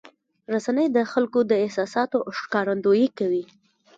رسنۍ د خلکو د احساساتو ښکارندویي کوي.